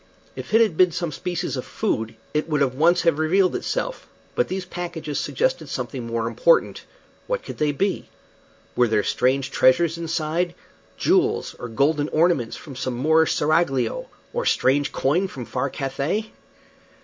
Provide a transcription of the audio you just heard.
If it had been some species of food it would at once have revealed itself, but these packages suggested something more important. What could they be? Were there treasures inside jewels, or golden ornaments from some Moorish seraglio, or strange coin from far Cathay?